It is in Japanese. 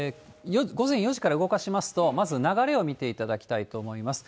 午前４時から動かしますと、まず流れを見ていただきたいと思います。